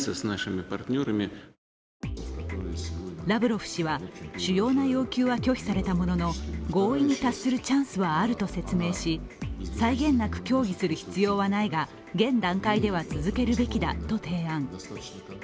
ラブロフ氏は主要な要求は拒否されたものの合意に達するチャンスはあると説明し、際限なく協議する必要はないが現段階では続けるべきだと提案。